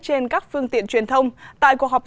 trên các phương tiện truyền thông tại cuộc họp